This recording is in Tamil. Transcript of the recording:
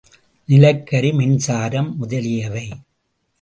நிலக்கரி, மின்சாரம் முதலியவை.